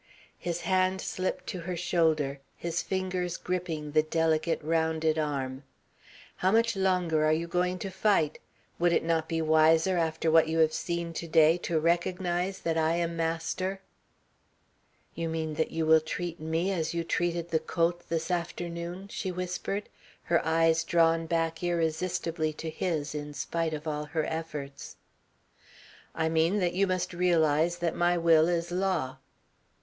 His hand slipped to her shoulder, his fingers gripping the delicate, rounded arm. "How much longer are you going to fight? Would it not be wiser after what you have seen to day to recognise that I am master?" "You mean that you will treat me as you treated the colt this afternoon?" she whispered, her eyes drawn back irresistibly to his in spite of all her efforts. "I mean that you must realise that my will is law."